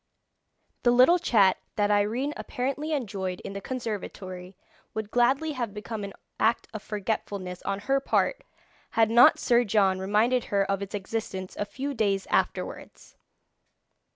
The little chat that Irene apparently enjoyed in the conservatory would gladly have become an act of forgetfulness on her part had not Sir John reminded her of its existence a few days afterwards.